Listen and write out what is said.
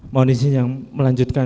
mohon isi yang melanjutkan